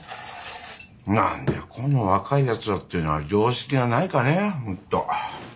何でこうも若いやつらっていうのは常識がないかねホント。